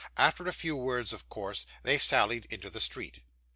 After a few words of course, they sallied into the street.